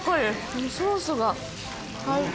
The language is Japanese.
このソースが最高。